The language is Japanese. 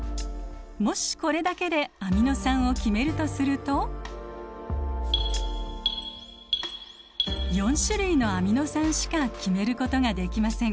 もしこれだけでアミノ酸を決めるとすると４種類のアミノ酸しか決めることができません。